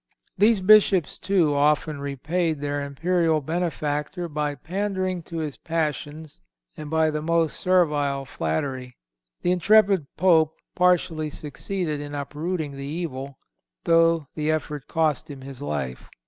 These Bishops too often repaid their imperial benefactor by pandering to his passions and by the most servile flattery. The intrepid Pope partially succeeded in uprooting the evil, though the effort cost him his life.